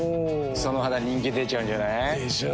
その肌人気出ちゃうんじゃない？でしょう。